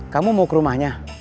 kamu mau ke rumahnya